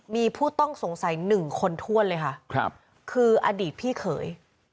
มีผู้ต้องสงสัย๑คนถ้วนเลยค่ะคืออดีตพี่เขย